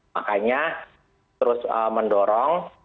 makanya terus mendorong